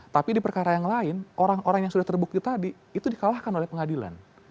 tapi di perkara yang lain orang orang yang sudah terbukti tadi itu dikalahkan oleh pengadilan